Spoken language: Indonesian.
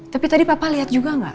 tapi tadi papa lihat juga nggak